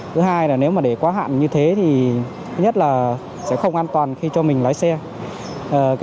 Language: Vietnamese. thứ hai là nếu mà để quá hạn như thế thì thứ nhất là sẽ không an toàn khi cho mình lái xe